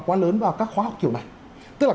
quá lớn vào các khóa học kiểu này tức là